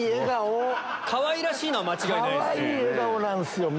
かわいらしいのは間違いないです。